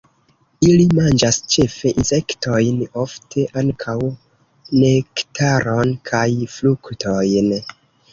Ili manĝas ĉefe insektojn, ofte ankaŭ nektaron kaj fruktojn.